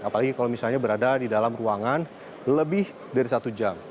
apalagi kalau misalnya berada di dalam ruangan lebih dari satu jam